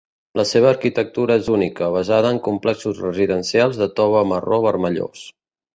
La seva arquitectura és única, basada en complexos residencials de tova marró vermellós.